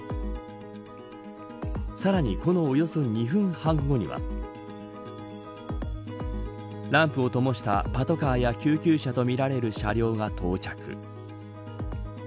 さらに、このおよそ２分半後にはランプをともしたパトカーや救急車とみられる車両が到着。